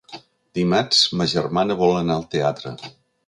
Dimarts ma germana vol anar al teatre.